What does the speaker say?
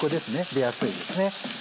出やすいですね。